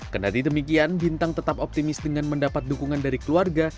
karena ditemikian bintang tetap optimis dengan mendapat dukungan dari keluarga